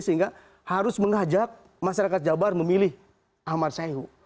sehingga harus mengajak masyarakat jabar memilih ahmad sayhu